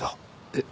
えっ？